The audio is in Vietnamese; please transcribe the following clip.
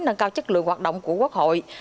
nâng cao chất lượng hoạt động của quốc hội